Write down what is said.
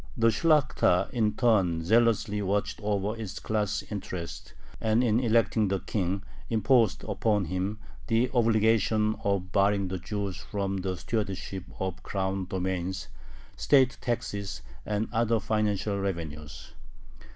The Shlakhta in turn zealously watched over its class interests, and in electing the king imposed upon him the obligation of barring the Jews from the stewardship of crown domains, state taxes, and other financial revenues.